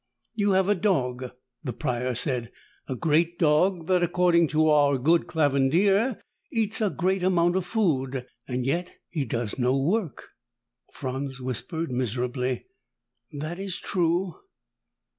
"You have a dog," the Prior said, "a great dog that, according to our good Clavandier, eats a great amount of food. Yet, he does no work." Franz whispered miserably, "That is true."